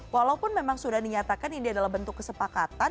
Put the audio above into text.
walaupun memang sudah dinyatakan ini adalah bentuk kesepakatan